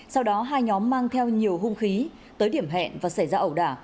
sau đó hai nhóm mang theo nhiều hung khí tới điểm hẹn và xảy ra ẩu đả